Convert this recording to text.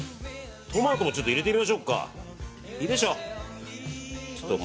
トマトも入れてみましょうか。